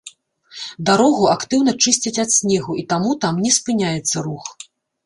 Дарогу актыўна чысцяць ад снегу і таму там не спыняецца рух.